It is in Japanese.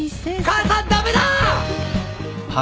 母さん駄目だぁ！